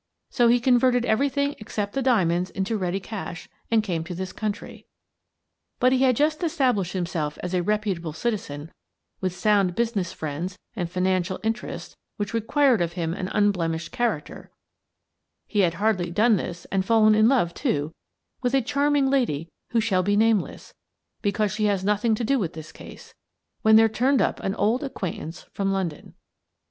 So he converted everything except the diamonds into ready cash' and came to this country. But he had just established himself as a reputable citizen with sound business friends and financial interests which required of him an unblemished character — he had hardly done this and fallen in love, too, with a charming lady who shall be nameless, because she has nothing to do with this case — when there turned up an old ac quaintance from London.